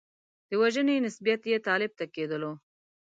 د وژنې نسبیت یې طالب ته کېدلو.